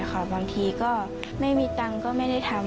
บางทีก็ไม่มีตังค์ก็ไม่ได้ทำ